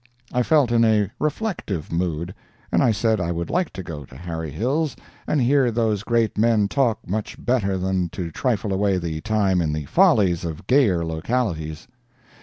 I felt in a reflective mood, and I said I would like to go to Harry Hill's and hear those great men talk much better than to trifle away the time in the follies of gayer localities.